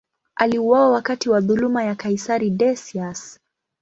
Aliuawa wakati wa dhuluma ya kaisari Decius.